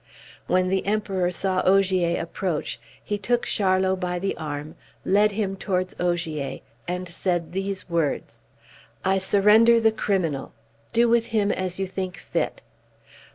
When the Emperor saw Ogier approach he took Charlot by the arm, led him towards Ogier, and said these words: "I surrender the criminal; do with him as you think fit."